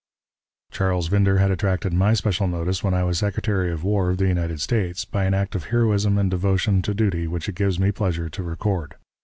Charles Winder had attracted my special notice, when I was Secretary of War of the United States, by an act of heroism and devotion to duty which it gives me pleasure to record.